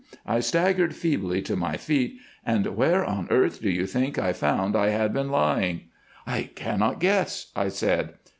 I staggered feebly to my feet, and where on earth do you think I found I had been lying?" "I cannot guess," I said.